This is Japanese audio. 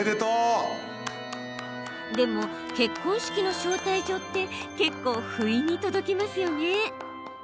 でも結婚式の招待状って結構、ふいに届きますよね。